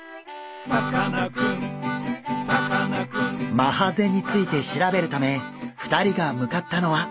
マハゼについて調べるため２人が向かったのは。